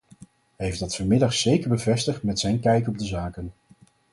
Hij heeft dat vanmiddag zeker bevestigd met zijn kijk op de zaken.